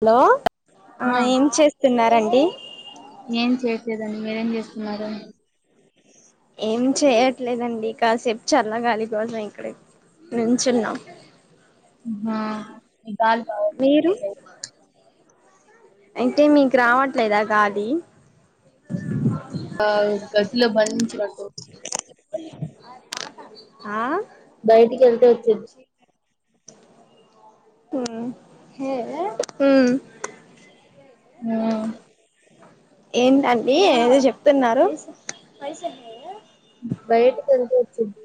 అలో ఆ ఏం చేస్తున్నారండి లేదండి మీరేంజేస్తున్నారు ఏం చేయట్లేదండి కాసేపు చల్ల గాలికోసం ఇక్కడ నించున్నాం హా మీకు గాలి బాగొచ్చిద్దాట్ సైడ్ ఏంటీ మీకు రావట్లేదా గాలీ ఆ గదిలో బంధించినట్టు అది ఆట ఆ బయటికెళ్తే వచ్చిద్ది ఊ ఏ హూ ఆ ఏంటండీ ఏదో జెప్తున్నారు బయటకెళ్తే వొచ్చిద్ది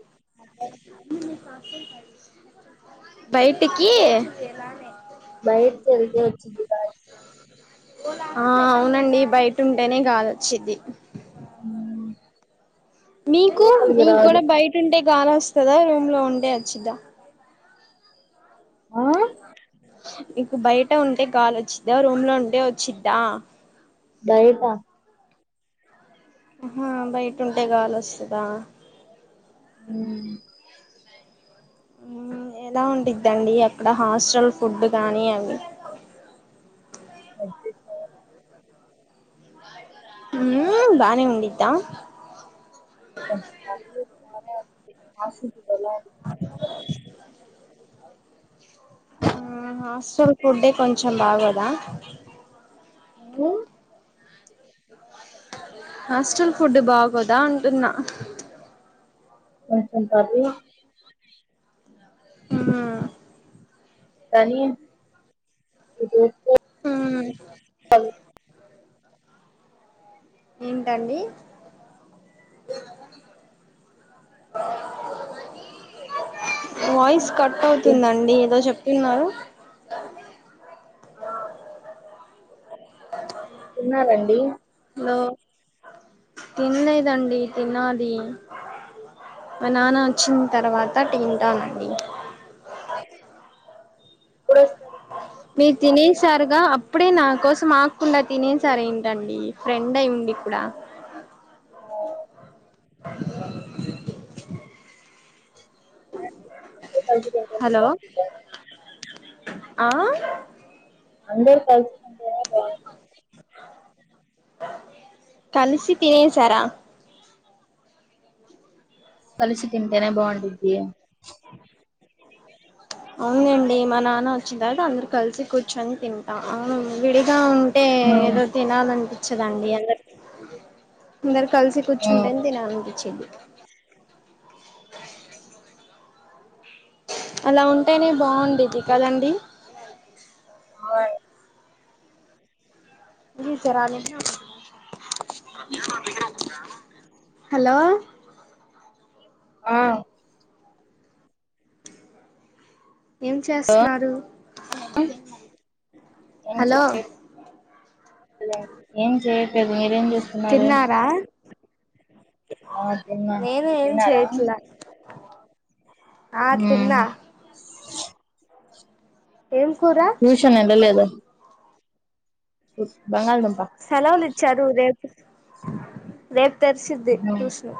బయిటికీ బాయట్కెళ్తే వచ్చిద్ది గాలి ఆ అవునండి బయటుంటేనే గాలొచ్చిద్ది ఉమ్ అ మీకు మీక్కూడా బయటుంటే గాలొస్తదా రూమ్ లో ఉంటే వచ్చిద్దా ఆ మికు బయట ఉంటే గాలొచ్చిద్దా రూమ్ లో ఉంటే ఒచ్చిద్దా బైటా అహా బయటుంటే గాలొస్తదా ఉ ఊ ఎలా ఉండిద్దండీ అక్కడ హాస్టల్ ఫుడ్డు గాని అవి అద్దీస్కపోను ఉమ్మ్ బానే ఉండిద్దా కొంచం పర్లేదు బానే ఉండిద్ది హాస్టల్ ఫుడ్ ఎలా ఉండిద్దో తెల్సు గా ఆ హాస్టల్ ఫుడ్డే కొంచం బాగోదా ఆ హస్టల్ ఫుడ్డు బాగోదా అంటున్నా అహ్ కొచం పర్లా ఆ తానీ ఉపో ఉమ్మ్ ఏంటండి ఆ వాయిస్ కట్ అవుతుందండి ఏదో జేప్తున్నారు ఆ తిన్నారండి హలో తిన్నలేదండి తీనాలి మా నాన్న వచ్చిన్ తర్వాత టిన్టానండి ఎప్పుడోస్తారండి మీరు తినేసారుగా అప్పుడే నా కోసం ఆక్కుండా తినేసారెంటండి ఫ్రెండ్ అయి ఉండి ఇప్పుడా ఒమ్ అందరూ కలిసి పోతానే హలో బాగుంటుంది డాడ్ ఆ అందరూ కలిసుకుంటేనే బాగుంటుంది కలిసి తినేసారా కలిసి తింటేనే బాగుండిది అని అవునండి మా నాన్న వచ్చిన తర్వాత అందరు కలిసి కూర్చొని తింటాం అవును విడిగా ఉ టే ఏదో తినాలనిపించదండి అందర్ అందర్కి కలిసి కూర్చుంటేనే దినాలనిపించింది అలా ఉంటేనే బాగుండిది కాదండి అవునండీ ఈవి జరాలన్ని వస్తాయి హలో ఆ ఏం చేస్తేన్నారు హలో హలో ఏం చేయట్లేదు మీరే జేస్తున్నారు తిన్నారా నేను మీరు ఏం తిన్నారా చేయట్లా ఆ తిన్నా చురుక్ ఏం కూర ట్యూషన్ ఎల్ల లేదా ఉప్ బంగాల్ దుం సెలవులిచ్చారు రేపు రేపు తెరిసిద్ది ట్యూషను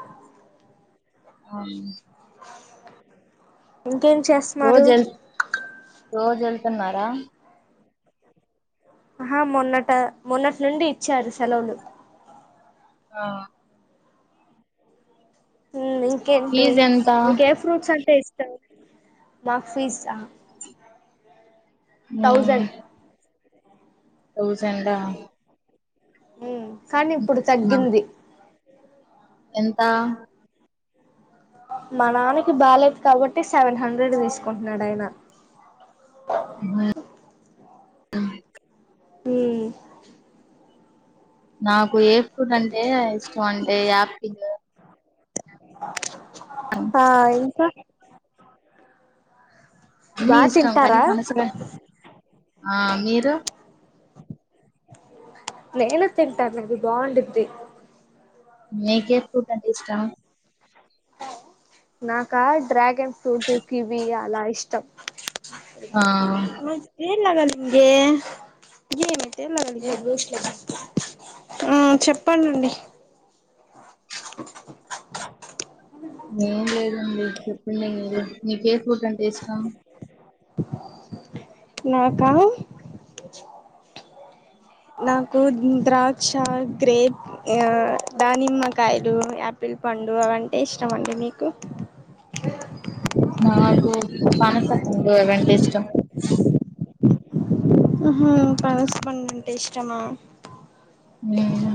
అవును ఇంకేం చేస్తున్నారు రోజేళ్తున్నారా ఆహా మొన్నట మొన్నట్ నుండి ఇచ్చారు సెలవులు ఆ ఉమ్ ఇంకేంటి ఫీజ్ ఎంత మీక్ ఏ ఫ్రూట్స్ అంటే ఇష్ట ఇష్టం మాక్ ఫీస్ట్ ఆ ఉమ్మ్ థౌజండా ఉమ్మ్ కానీ ఇప్పుడు నా తగ్గింది ఎంత మా నాన్నకి బాలేదు కాబట్టి సెవెన్ హండ్రెడ్ తీసుకుంటున్నాడు ఆయన [unintelligible] ఉమ్మ్ నాకు ఏ ఫ్రూట్ అంటే ఇష్టం అంటే యాపిల్ ఆ ఇంకా అన్నీ బా ఇష్టం కానీ తింటారా పనసకాయ్ ఆ మీరు నేను తింటాను అది బాగుండుద్ది మీకే ఫ్రూట్ అంటే ఇష్టం నాకా డ్రాగేన్ ఫ్రూటు కివి అలా ఇష్టం ఆ మల్లి దేనిలాగా అలిగిందే ఏమే దేనిలాగా అలిగే రోస్ట్ లేదు ఆ చెప్పండి అండి ఏం లేదండి చెప్పండి మీరే నీకే ఫ్రూట్ అంటే ఇష్టం నాకా నాకు ద్రాక్ష గ్రేప్ఇమ ఆ దానిమ్మకాయలు యాపిల్ పండు అవంటే ఇష్టమండి మీకు నాకు పనసపండు అవి అంటే ఇష్టం ఆహా పనసపండు అంటే ఇష్టమా ఉమ్మ్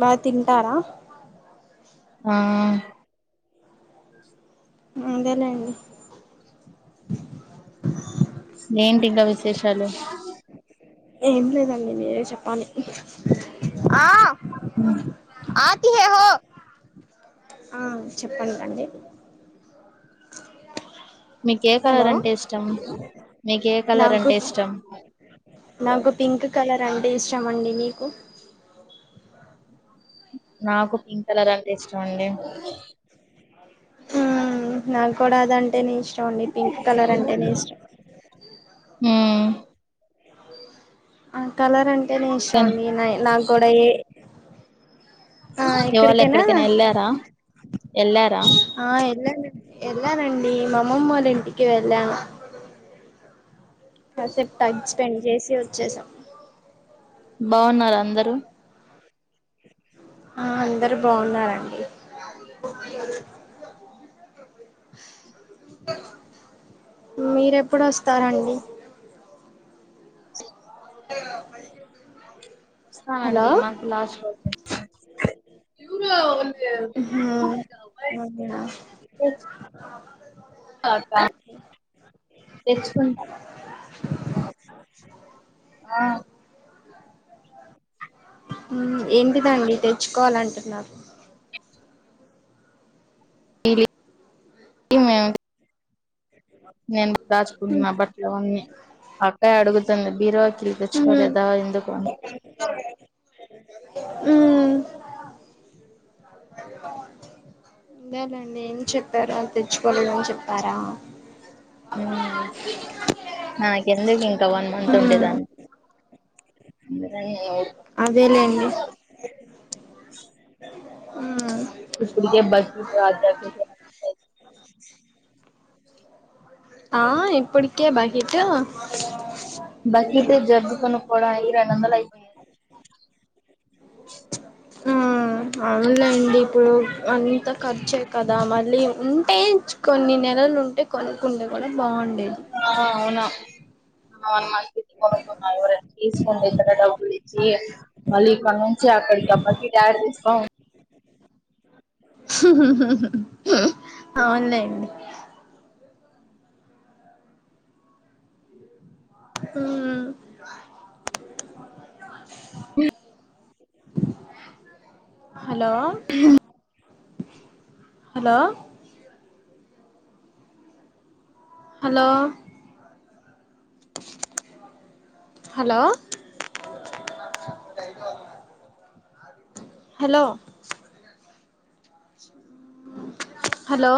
బా తింటారా ఆ అదేలేండి ఏంటి ఇంకా విశేషాలు ఏం లేదండి మీరే చెప్పాలి ఉమ్మ్ ఆ ఆతి చెప్పండి అండి నీకే కలర్ హలో అంటే ఇష్టం నీకే కలర్ నాకు అంటే ఇష్టం నాకు పింక్ కలర్ అంటే ఇష్టంమండి నీకు నాకు పింక్ కలర్ అంటే ఇష్టమండి ఆ నాకు కూడా అదంటే ఇ ష్టమండి పింక్ కలర్ అంటేనే ఇష్టం ఉమ్మ్ ఆ కలర్ అంటేనే ఏం- ఇష్టమండి నాకూడా ఏ ఆ ఇవాళ ఎక్కడికేనా ఎక్కడికైనా వెళ్ళారా వెళ్ళారా ఆ ఎళ్లాల ఎళ్లాలండీ ఈ మా అమ్మమ్మ వాళ్ల ఇంటికి వెళ్ళాను కాసేపు టైం స్పెండ్ చేసి వచ్చేసాం బాగున్నారా అందరూ ఆ అందరు బాగున్నారంండి మీరేప్పుడు వస్తారండి ఆ వస్తా అండి మకు లాస్ట్ [unintelligible] హుఉమ్మ్ ఓకేనా పా తా తెచ్చుకుందా ఓ ఆ ఏంటిదండి తెచ్చుకోవాలంటున్నారు ఈమే నేను దాచుకున్న బట్టలు అవన్నీ అక్కయ్య అడుగుతుంది బీరువాకిలు తెచ్చుకోలేదా ఎందుకు అని మ్ విన్లేద్లేంది ఏం చెప్పారో తెచ్చుకోలేదని చెప్పారా? మ్ నాకెందుకు ఇంకా వన్ మంత్ మ్మ్ ఉండేదాన్ని. మందుకనే వేయద్దు అదేలేండి ఆ ఇప్పుడికే బస్ [unintelligible] ఒ ఆ ఇప్పుటికే బకెట్ బకెట్ జగ్గు కొనుక్కోడానికి ఈ రెండొందలు అయిపోయాయి. ఆ ఆ అవునండి ఇప్పుడు అంత ఖర్చే కదా మళ్ళీ ఉంటే కొన్ని నె నెలలు ఉంటే కొనుక్కుంటే కూడా బాగు ఆ అవును అవును మంచిది కొనుకున్ అవురా తీసుకుంది ఇక్కడ డబ్బులిచ్చి మళ్ళీ ఇక్కడి నుంచి అక్కడికి ఆ బకెట్ యాడ తీసుకొని ఒ అవున్లేండి మ్ ఒ హలో హలో హలో హలో ఒ హలో హలో